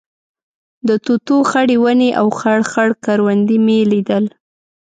د توتو خړې ونې او خړ خړ کروندې مې لیدل.